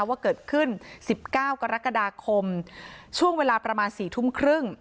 ว่าเกิดขึ้น๑๙กรกฎาคมช่วงเวลาประมาณ๔ทุ่มครึ่ง